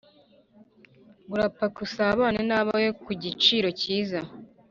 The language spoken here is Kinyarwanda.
gura pake usabane nabawe ku giciro kiza